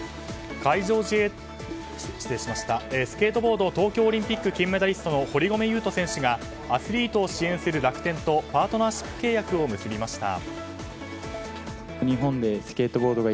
スケートボード東京オリンピック金メダリストの堀米雄斗選手がアスリートを支援する楽天とパートナーシップ契約を結びました。